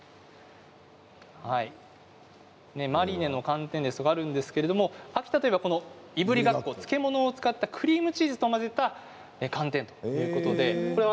マリネの寒天とかがあるんですが秋田といえばいぶりがっこ、漬物を使ったクリームチーズと混ぜた寒天ということで。